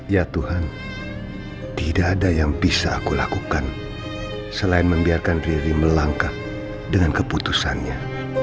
ya tuhan tidak ada yang bisa aku lakukan selain membiarkan diri melangkah dengan keputusannya